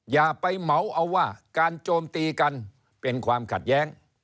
อย่าไปเหมาเอาว่าการโจมตีกันเป็นความขัดแย้ง